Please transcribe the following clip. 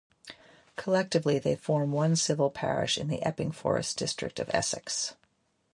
Collectively they form one civil parish in the Epping Forest district of Essex.